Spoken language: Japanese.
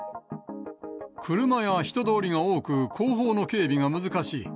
車や人通りが多く、後方の警備が難しい。